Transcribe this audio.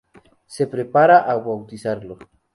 Se prepara a bautizarlo.